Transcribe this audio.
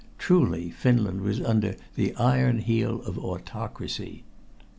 Truly Finland was under the iron heel of autocracy.